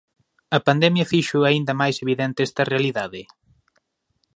A pandemia fixo aínda máis evidente esta realidade?